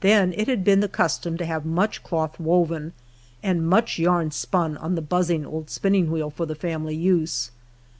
Then it had been the custom to have much cloth woven, and much yarn spun on the buzzing old spinning wheel, for the family use.